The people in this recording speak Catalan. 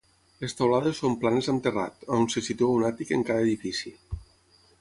Les teulades són planes amb terrat, on se situa un àtic en cada edifici.